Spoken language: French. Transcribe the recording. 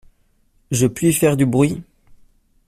Je puis faire du bruit ?